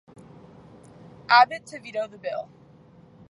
Abbott to veto the bill.